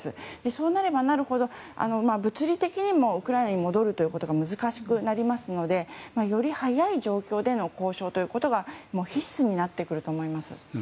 そうなればなるほど、物理的にもウクライナに戻るということが難しくなりますのでより早い状況での交渉が必須になってくると思います。